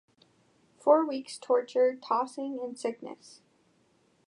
Four weeks’ torture, tossing, and sickness!